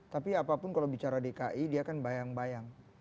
tapi apapun kalau bicara dki dia kan bayang bayang